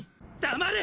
黙れ！